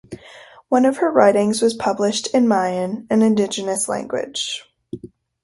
One of her writings was published in Mayan (an indigenous language).